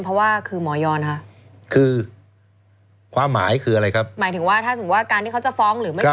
เพราะว่าคือหมอยอลฮะคือความหมายคืออะไรครับหมายถึงว่าถ้าสมมุติว่า